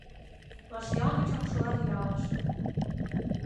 Лажъял гычын Шуаръялыш